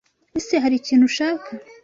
Ese Hari ikintu ushaka?